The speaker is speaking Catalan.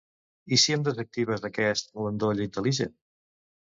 I si em desactives aquest l'endoll intel·ligent?